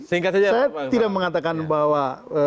saya tidak mengatakan bahwa